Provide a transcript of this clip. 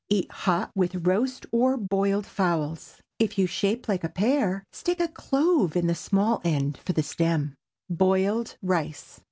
Eat hot with roast or boiled fowls. If you shape like a pear, stick a clove in the small end for the stem. BOILED RICE.